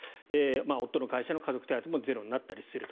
夫の会社の家族手当もゼロになったりすると。